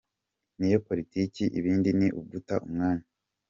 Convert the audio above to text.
Niyo politiki ibindi ni uguta umwanya.